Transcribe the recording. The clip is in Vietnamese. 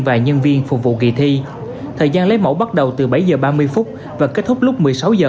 và nhân viên phục vụ kỳ thi thời gian lấy mẫu bắt đầu từ bảy h ba mươi và kết thúc lúc một mươi sáu h cùng ngày